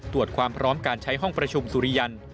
ตรวจความพร้อมการใช้ห้องประชุมสุริยันทร์